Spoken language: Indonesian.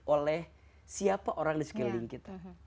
oleh siapa orang di sekeliling kita